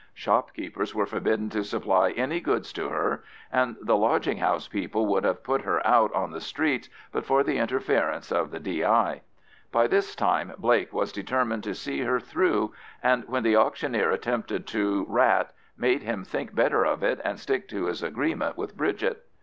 Shopkeepers were forbidden to supply any goods to her, and the lodging house people would have put her out on the streets but for the interference of the D.I. By this time Blake was determined to see her through, and when the auctioneer attempted to rat, made him think better of it and stick to his agreement with Bridget.